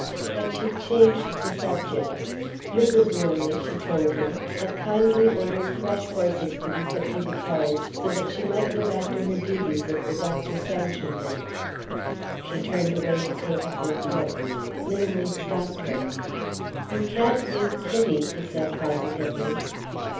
But she changed the subject. Mrs. Linley (she told him) had kindly ordered fresh horses to be put to the carriage, so that she might go back to her duties if the doctor sanctioned it. She turned away to take up her cloak. Linley stopped her. "You can't leave Kitty," he said, positively.